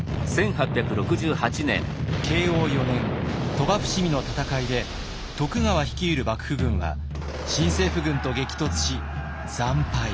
慶応四年鳥羽・伏見の戦いで徳川率いる幕府軍は新政府軍と激突し惨敗。